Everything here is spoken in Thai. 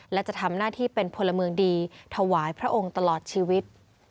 และจะทำหน้าที่เป็นพลเมืองดีถวายพระองค์ตลอดชีวิต